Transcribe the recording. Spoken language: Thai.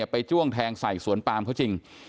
จ้วงแทงใส่สวนปามเขาจริง